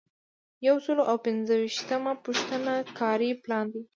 یو سل او پنځه شپیتمه پوښتنه کاري پلان دی.